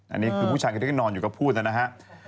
อันนี้คือผู้ชายก็นอนอยู่ก็พูดนะฮะ